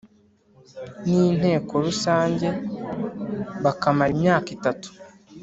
n Inteko Rusange bakamara imyaka itatu